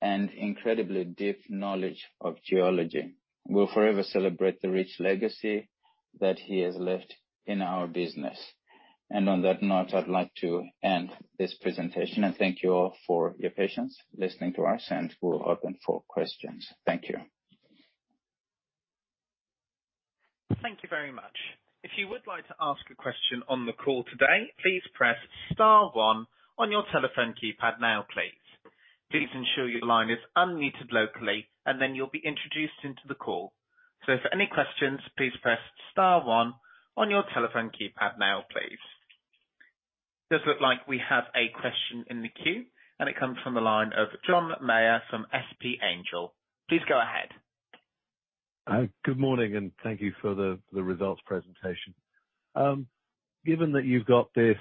and incredibly deep knowledge of geology. We'll forever celebrate the rich legacy that he has left in our business. On that note, I'd like to end this presentation and thank you all for your patience listening to us, and we're open for questions. Thank you. Thank you very much. If you would like to ask a question on the call today, please press star one on your telephone keypad now, please. Please ensure your line is unmuted locally, and then you'll be introduced into the call. If any questions, please press star one on your telephone keypad now, please. It does look like we have a question in the queue, and it comes from the line of John Meyer from SP Angel. Please go ahead. Good morning, and thank you for the results presentation. Given that you've got this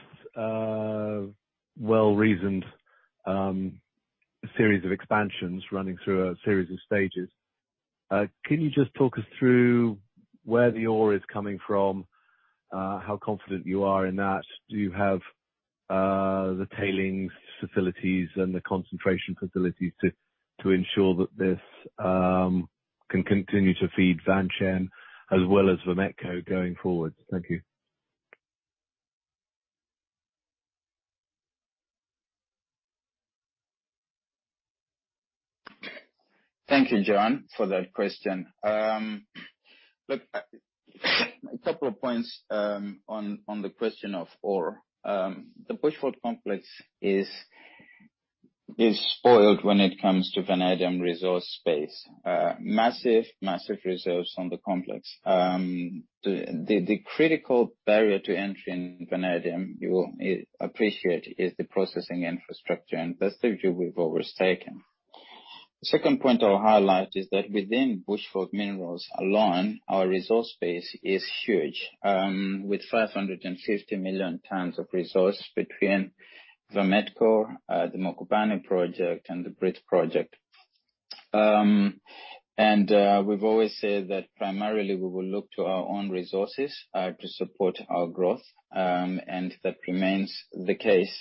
well-reasoned series of expansions running through a series of stages, can you just talk us through where the ore is coming from? How confident you are in that? Do you have the tailings facilities and the concentration facilities to ensure that this can continue to feed Vanchem as well as Vametco going forward? Thank you. Thank you, John, for that question. Look, a couple of points on the question of ore. The Bushveld Complex is spoiled when it comes to vanadium resource space. Massive reserves on the complex. The critical barrier to entry in vanadium, you will appreciate, is the processing infrastructure, and that's the issue we've always taken. The second point I'll highlight is that within Bushveld Minerals alone, our resource base is huge, with 550 million tons of resource between Vametco, the Mokopane project, and the Brits project. We've always said that primarily we will look to our own resources to support our growth, and that remains the case,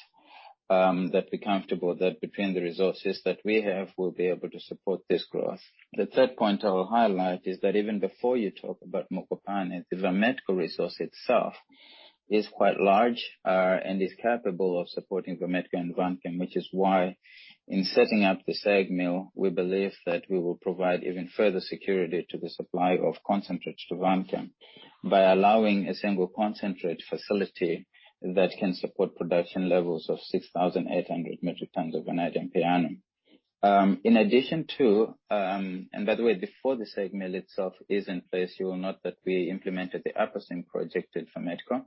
that we're comfortable that between the resources that we have, we'll be able to support this growth. The third point I will highlight is that even before you talk about Mokopane, the Vametco resource itself is quite large, and is capable of supporting Vametco and Vanchem, which is why in setting up the SAG mill, we believe that we will provide even further security to the supply of concentrates to Vanchem by allowing a single concentrate facility that can support production levels of 6,800 mtVp.a. By the way, before the SAG mill itself is in place, you will note that we implemented the Upper Seam Project at Vametco,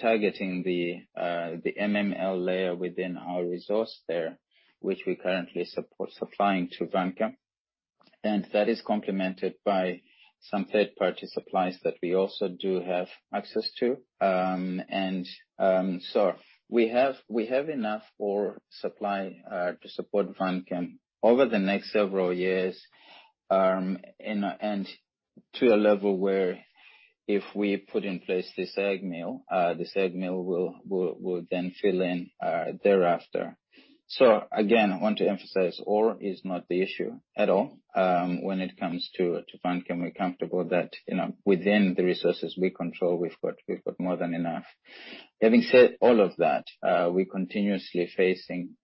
targeting the MML layer within our resource there, which we currently support supplying to Vanchem, and that is complemented by some third-party supplies that we also do have access to. We have enough ore supply to support Vanchem over the next several years, and to a level where if we put in place the SAG mill, the SAG mill will then fill in thereafter. Again, I want to emphasize ore is not the issue at all, when it comes to Vanchem. We're comfortable that, you know, within the resources we control, we've got more than enough. Having said all of that, we continuously facing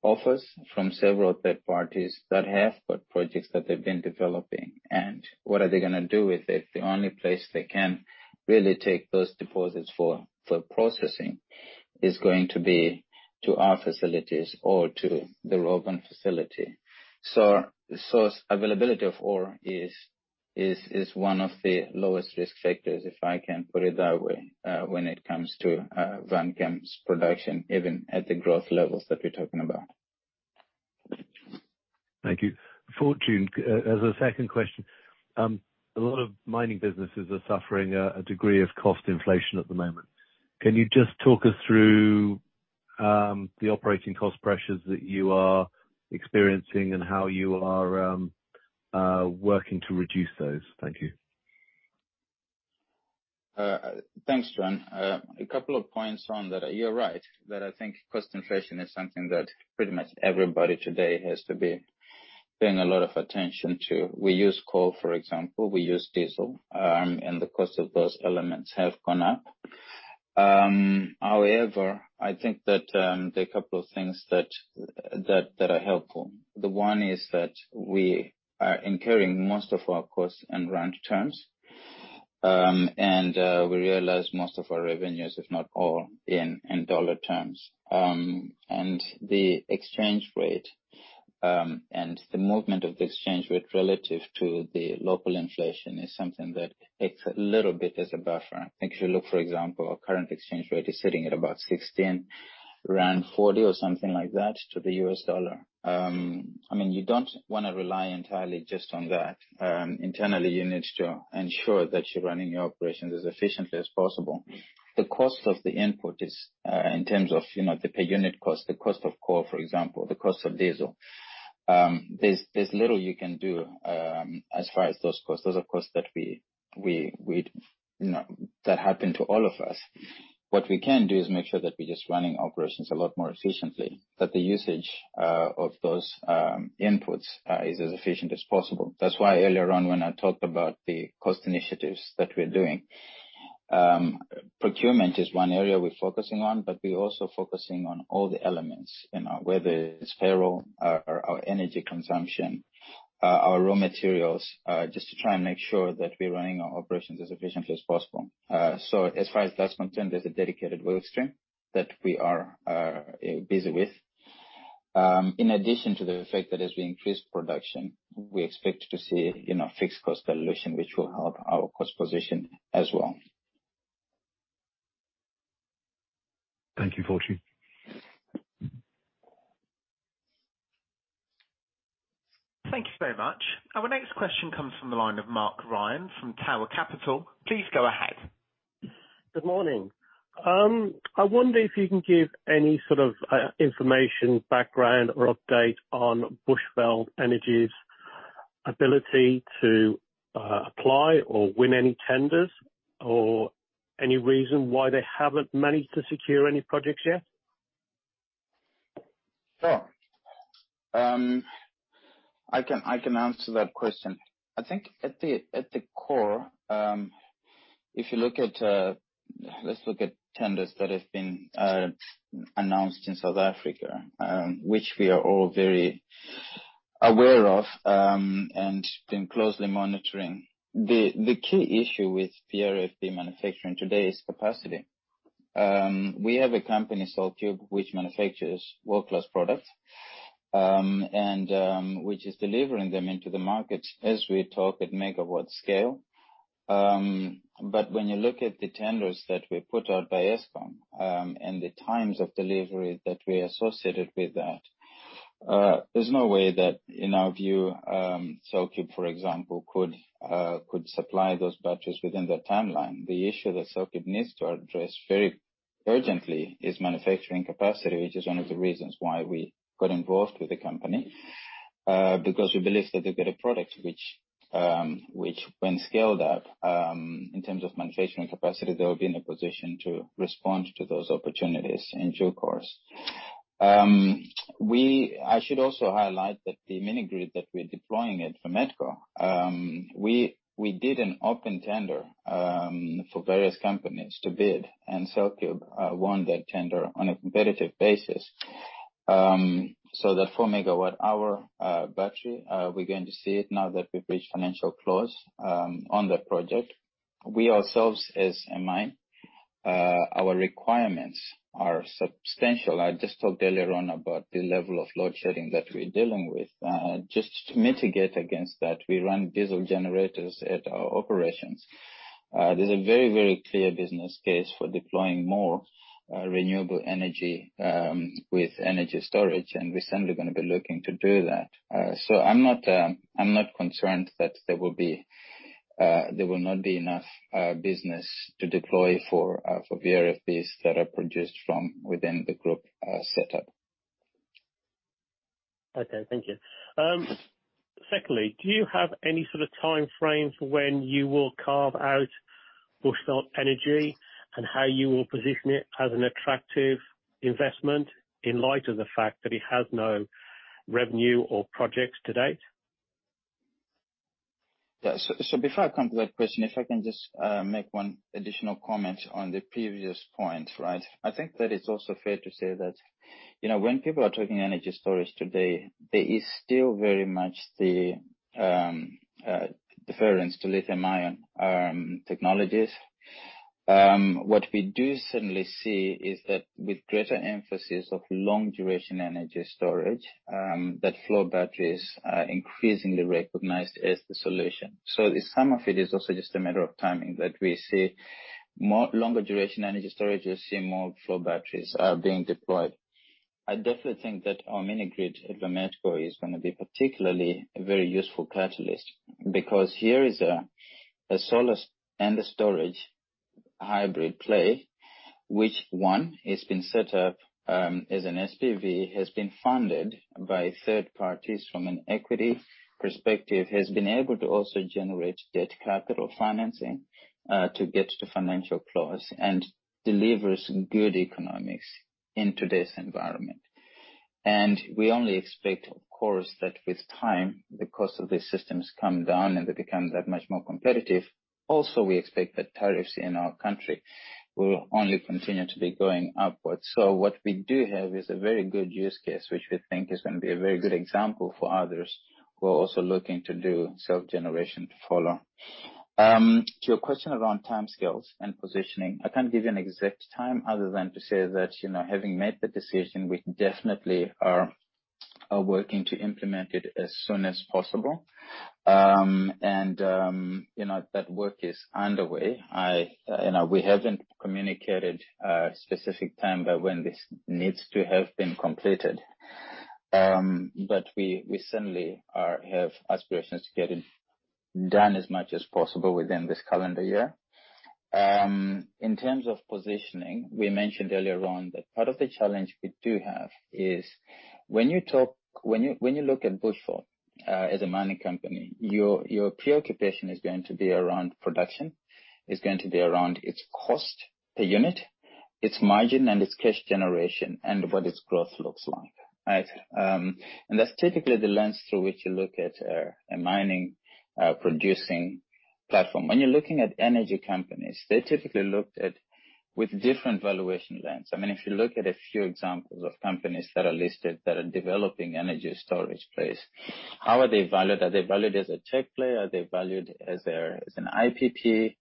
offers from several third parties that have got projects that they've been developing, and what are they gonna do with it? The only place they can really take those deposits for processing is going to be to our facilities or to the Rhovan Facility. Source availability of ore is one of the lowest risk factors, if I can put it that way, when it comes to Vanchem's production, even at the growth levels that we're talking about. Thank you. Fortune, as a second question, a lot of mining businesses are suffering a degree of cost inflation at the moment. Can you just talk us through the operating cost pressures that you are experiencing and how you are working to reduce those? Thank you. Thanks, John. A couple of points on that. You're right that I think cost inflation is something that pretty much everybody today has to be paying a lot of attention to. We use coal, for example. We use diesel, and the cost of those elements have gone up. However, I think that there are a couple of things that are helpful. The one is that we are incurring most of our costs in rand terms. We realize most of our revenues, if not all, in dollar terms. The exchange rate and the movement of the exchange rate relative to the local inflation is something that it's a little bit as a buffer. If you look, for example, our current exchange rate is sitting at about 16.40 rand to the US dollar. I mean, you don't wanna rely entirely just on that. Internally, you need to ensure that you're running your operations as efficiently as possible. The cost of the input is, in terms of, you know, the per unit cost, the cost of coal, for example, the cost of diesel. There's little you can do, as far as those costs. Those are costs that we, you know, that happen to all of us. What we can do is make sure that we're just running our operations a lot more efficiently, that the usage of those inputs is as efficient as possible. That's why earlier on, when I talked about the cost initiatives that we're doing. Procurement is one area we're focusing on, but we're also focusing on all the elements. You know, whether it's payroll or energy consumption, our raw materials, just to try and make sure that we're running our operations as efficiently as possible. As far as that's concerned, there's a dedicated work stream that we are busy with. In addition to the fact that as we increase production, we expect to see, you know, fixed cost dilution, which will help our cost position as well. Thank you, Fortune. Thank you so much. Our next question comes from the line of Mark Ryan from Tower Capital. Please go ahead. Good morning. I wonder if you can give any sort of information, background, or update on Bushveld Energy's ability to apply or win any tenders or any reason why they haven't managed to secure any projects yet? Sure. I can answer that question. I think at the core, let's look at tenders that have been announced in South Africa, which we are all very aware of, and been closely monitoring. The key issue with VRFB manufacturing today is capacity. We have a company, CellCube, which manufactures world-class products, and which is delivering them into the market as we talk at megawatt scale. When you look at the tenders that were put out by Eskom, and the times of delivery that were associated with that, there's no way that, in our view, CellCube, for example, could supply those batches within that timeline. The issue that CellCube needs to address very urgently is manufacturing capacity, which is one of the reasons why we got involved with the company. We believe that they've got a product which when scaled up in terms of manufacturing capacity, they will be in a position to respond to those opportunities in due course. I should also highlight that the mini grid that we're deploying at Vametco. We did an open tender for various companies to bid, and CellCube won that tender on a competitive basis. The 4 MWh battery. We're going to see it now that we've reached financial close on that project. We ourselves, as BMN, our requirements are substantial. I just talked earlier on about the level of load shedding that we're dealing with. Just to mitigate against that, we run diesel generators at our operations. There's a very clear business case for deploying more renewable energy with energy storage, and we're certainly gonna be looking to do that. I'm not concerned that there will not be enough business to deploy for VRFBs that are produced from within the group setup. Okay. Thank you. Secondly, do you have any sort of timeframe for when you will carve out Bushveld Energy and how you will position it as an attractive investment in light of the fact that it has no revenue or projects to date? Yeah. Before I come to that question, if I can just make one additional comment on the previous point, right? I think that it's also fair to say that, you know, when people are talking energy storage today, there is still very much the preference to lithium-ion technologies. What we do certainly see is that with greater emphasis on long duration energy storage, that flow batteries are increasingly recognized as the solution. Some of it is also just a matter of timing, that we see longer duration energy storage, we're seeing more flow batteries are being deployed. I definitely think that our mini grid at Vametco is gonna be particularly a very useful catalyst because here is a solar PV and a storage hybrid play, which, once it's been set up as an SPV, has been funded by third parties from an equity perspective, has been able to also generate debt capital financing to get to financial close and delivers good economics in today's environment. We only expect, of course, that with time, the cost of these systems come down and they become that much more competitive. Also, we expect that tariffs in our country will only continue to be going upwards. What we do have is a very good use case, which we think is gonna be a very good example for others who are also looking to do self-generation to follow. To your question around timescales and positioning, I can't give you an exact time other than to say that, you know, having made the decision, we definitely are working to implement it as soon as possible. You know, that work is underway. You know, we haven't communicated a specific time by when this needs to have been completed. We certainly have aspirations to get it done as much as possible within this calendar year. In terms of positioning, we mentioned earlier on that part of the challenge we do have is when you look at Bushveld as a mining company, your preoccupation is going to be around production. It's going to be around its cost per unit, its margin, and its cash generation, and what its growth looks like, right? That's typically the lens through which you look at a mining producing platform. When you're looking at energy companies, they're typically looked at with different valuation lens. I mean, if you look at a few examples of companies that are listed that are developing energy storage space, how are they valued? Are they valued as a tech player? Are they valued as an IPP?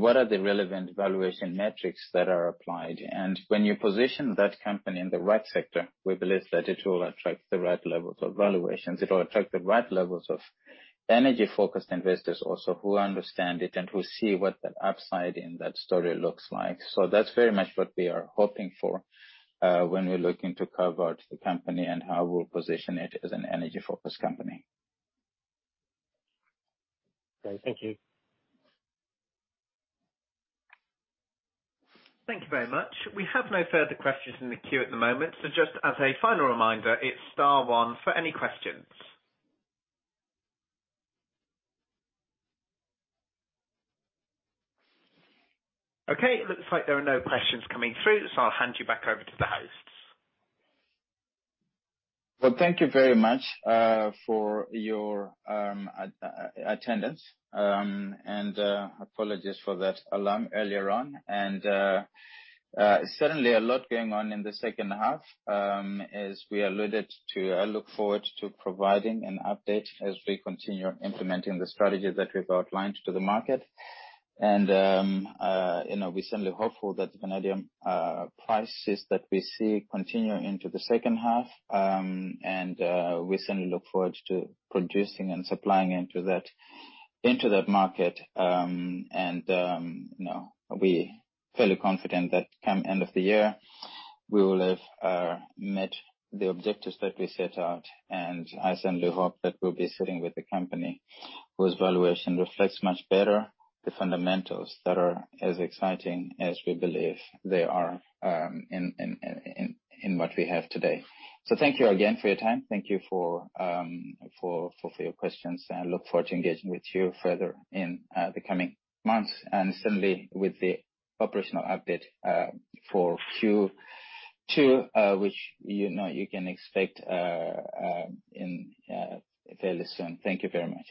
What are the relevant valuation metrics that are applied? When you position that company in the right sector, we believe that it will attract the right levels of valuations. It will attract the right levels of energy-focused investors also who understand it and who see what the upside in that story looks like. That's very much what we are hoping for, when we're looking to convert the company and how we'll position it as an energy-focused company. Great. Thank you. Thank you very much. We have no further questions in the queue at the moment. Just as a final reminder, it's star one for any questions. Okay. Looks like there are no questions coming through, so I'll hand you back over to the hosts. Well, thank you very much for your attendance. Certainly a lot going on in the second half, as we alluded to. I look forward to providing an update as we continue implementing the strategy that we've outlined to the market. You know, we're certainly hopeful that the vanadium prices that we see continue into the second half. We certainly look forward to producing and supplying into that market. You know, we're fairly confident that come end of the year, we will have met the objectives that we set out. I certainly hope that we'll be sitting with a company whose valuation reflects much better the fundamentals that are as exciting as we believe they are, in what we have today. Thank you again for your time. Thank you for your questions, and I look forward to engaging with you further in the coming months. Certainly with the operational update for Q2, which you know you can expect in fairly soon. Thank you very much.